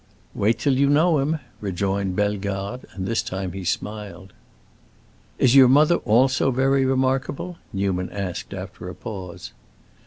"Wait till you know him!" rejoined Bellegarde, and this time he smiled. "Is your mother also very remarkable?" Newman asked, after a pause.